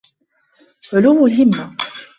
عُلُوُّ الْهِمَّةِ